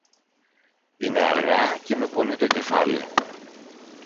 Είναι αργά και με πονεί το κεφάλι.